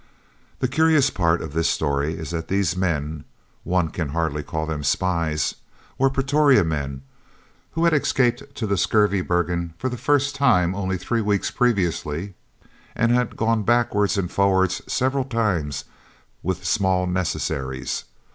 The curious part of this story is that these men (one can hardly call them spies) were Pretoria men who had escaped to the Skurvebergen for the first time only three weeks previously, and had gone backwards and forwards several times with small necessaries.